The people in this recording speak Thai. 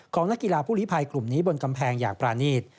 นักกีฬาผู้ลิภัยกลุ่มนี้บนกำแพงอย่างปรานีต